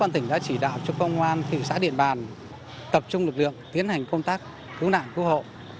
công an tỉnh đã chỉ đạo cho công an thị xã điện bàn tập trung lực lượng tiến hành công tác cứu nạn cứu hộ